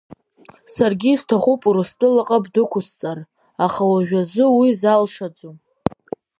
Саргьы исҭахуп Урыстәылаҟа бдәықәысҵар, аха уажәазы уи залшаӡом.